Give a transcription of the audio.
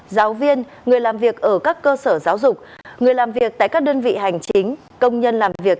giáo viên người làm việc ở các cơ sở giáo dục người làm việc tại các đơn vị hành chính công nhân làm việc